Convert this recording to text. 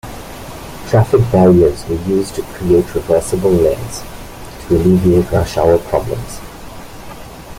Traffic barriers were used to create reversible lanes, to alleviate rush hour problems.